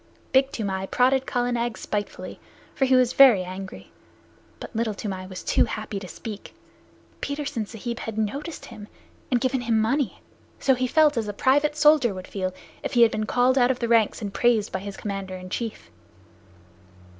Big Toomai prodded Kala Nag spitefully, for he was very angry, but Little Toomai was too happy to speak. Petersen Sahib had noticed him, and given him money, so he felt as a private soldier would feel if he had been called out of the ranks and praised by his commander in chief.